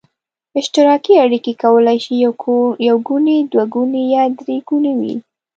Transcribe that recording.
اشتراکي اړیکې کولای شي یو ګوني، دوه ګوني یا درې ګوني وي.